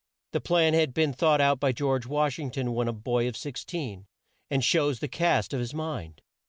The plan had been thought out by George Wash ing ton when a boy of 16, and shows the cast of his mind.